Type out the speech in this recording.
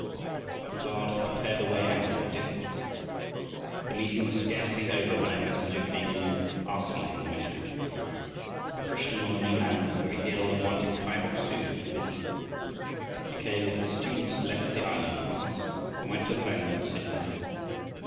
But God had prepared a way out of the difficulty. The meeting was scarcely over when a messenger came in, asking for the missionary. A Christian on the mainland was very ill and wanted Kai Bok su to visit him. Mackay with his students left the island at once and went to the home of the sick man.